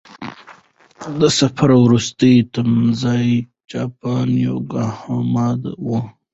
د سفر وروستی تمځی جاپان یوکوهاما و.